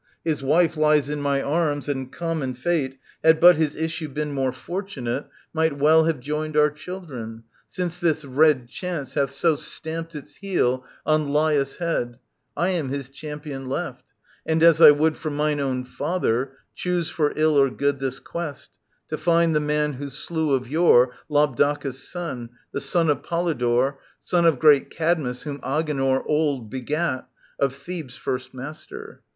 His wife lies in my arms, and common fate, Had but his issue been more fortunate. Might well have joined our children — since this red Chance hath so stamped its heel on Laius' head, I am his champion left, and, as I would /^Jbpr* For mine own father, choose for ill or good This quest, to find the man who slew of yore Labdacus' son, the son of Polydore, Son of great Cadmus whom Agenor old Begat, of Thebes first master.